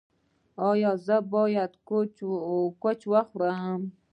ایا زه باید کوچ وخورم؟